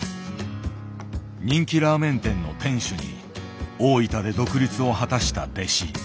人気ラーメン店の店主に大分で独立を果たした弟子。